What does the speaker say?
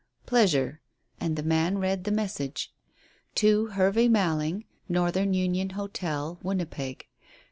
"Pleasure." And the man read the message "To Hervey Malling, Northern Union Hotel, Winnipeg.